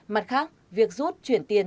mặt khác việc rút chuyển tiền